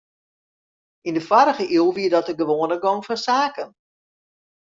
Yn de foarrige iuw wie dat de gewoane gong fan saken.